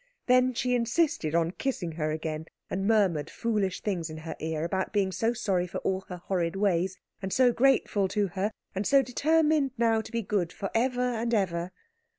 Then she insisted on kissing her again, and murmured foolish things in her ear about being so sorry for all her horrid ways, and so grateful to her, and so determined now to be good for ever and ever.